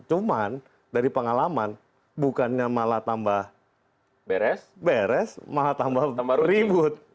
cuman dari pengalaman bukannya malah tambah beres malah tambah ribut